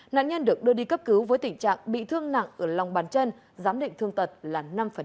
nạn nhân được đưa đi cấp cứu với tình trạng bị thương nặng ở lòng bàn chân giám định thương tật là năm